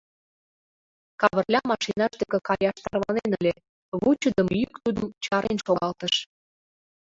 Кавырля машинаж деке каяш тарванен ыле, вучыдымо йӱк тудым чарен шогалтыш.